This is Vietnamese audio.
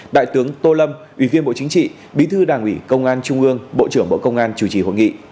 đại tướng tô lâm ủy viên bộ chính trị bí thư đảng ủy công an trung ương bộ trưởng bộ công an chủ trì hội nghị